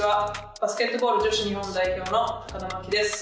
バスケットボール女子日本代表の田真希です。